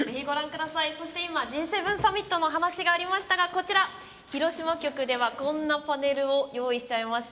そして、今Ｇ７サミットの話がありましたが広島局ではこんなパネルを用意しました。